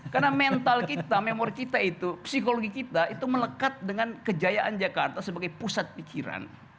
karena mental kita memori kita itu psikologi kita itu melekat dengan kejayaan jakarta sebagai pusat pikiran